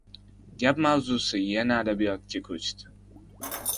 Gap mavzusi yana adabiyotga ko‘chdi